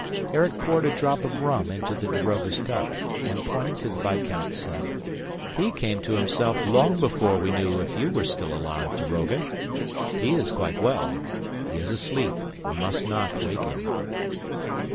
Erik poured a drop of rum into the daroga's cup and, pointing to the viscount, said: "He came to himself long before we knew if you were still alive, daroga. He is quite well. He is asleep. We must not wake him."